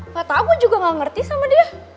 gak tau gue juga gak ngerti sama dia